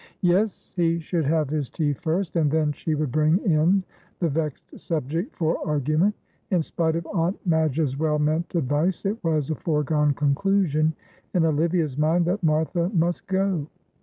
Yes, he should have his tea first, and then she would bring in the vexed subject for argument; in spite of Aunt Madge's well meant advice, it was a foregone conclusion in Olivia's mind that Martha must go.